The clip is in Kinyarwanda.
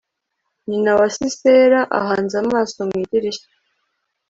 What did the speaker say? nyina wa sisera ahanze amaso mu idirishya